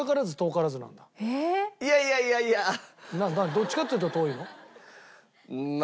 どっちかっていうと遠いの？